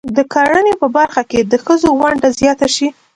د کرنې په برخه کې د ښځو ونډه زیاته شي.